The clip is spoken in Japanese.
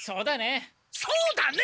そうだね。